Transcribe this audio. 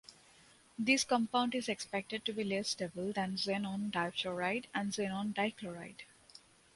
This compound is expected to be less stable than xenon difluoride and xenon dichloride.